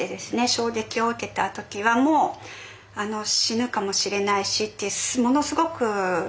衝撃を受けた時はもう死ぬかもしれないしってものすごく恐怖でした。